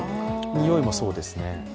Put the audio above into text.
においもそうですね。